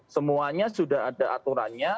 semuanya sudah ada aturannya